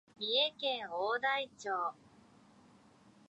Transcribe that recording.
三重県大台町